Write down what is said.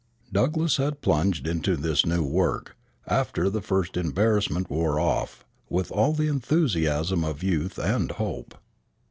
] Douglass had plunged into this new work, after the first embarrassment wore off, with all the enthusiasm of youth and hope.